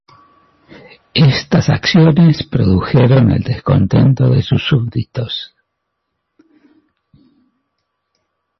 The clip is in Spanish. Éstas acciones produjeron el descontento de sus súbditos.